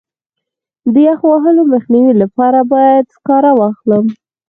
د یخ وهلو مخنیوي لپاره باید سکاره واخلم.